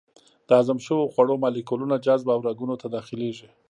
د هضم شوو خوړو مالیکولونه جذب او رګونو ته داخلېږي.